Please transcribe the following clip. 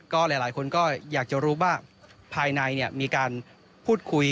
ก็หลายคนก็อยากจะรู้ว่าภายในมีการพูดคุย